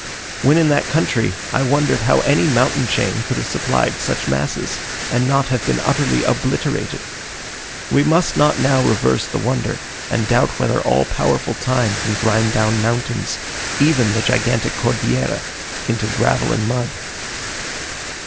When in that country, I wondered how any mountain chain could have supplied such masses, and not have been utterly obliterated. We must not now reverse the wonder, and doubt whether all powerful time can grind down mountains even the gigantic Cordillera into gravel and mud.